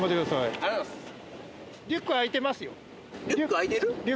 ありがとうございます。